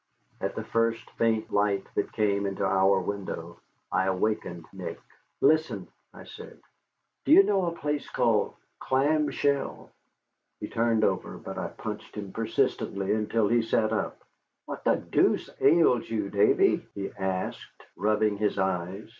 At the first faint light that came into our window I awakened Nick. "Listen," I said; "do you know a place called Clam Shell?" He turned over, but I punched him persistently until he sat up. "What the deuce ails you, Davy?" he asked, rubbing his eyes.